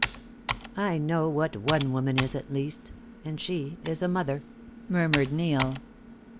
"I know what one woman is, at least; and she is a mother," murmured Neil.